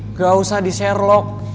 nggak usah di share vlog